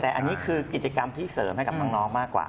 แต่อันนี้คือกิจกรรมที่เสริมให้กับน้องมากกว่า